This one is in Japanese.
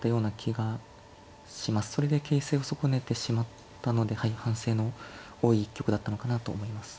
それで形勢を損ねてしまったので反省の多い一局だったのかなと思います。